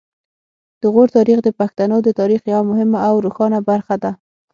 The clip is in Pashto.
د غور تاریخ د پښتنو د تاریخ یوه مهمه او روښانه برخه ده